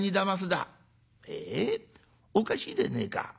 おかしいでねえか。